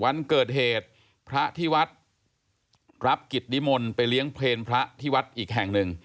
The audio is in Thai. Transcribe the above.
วันเกิดเหตุพระที่วัดรับกิจนิมนต์ไปเลี้ยงเพลงพระที่วัดอีกแห่งหนึ่ง